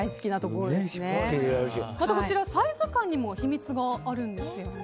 こちら、サイズ感にも秘密があるんですよね。